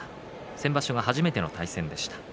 先場所は初めての対戦でした。